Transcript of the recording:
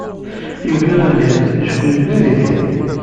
Yugi argaz, acku yuggad-it!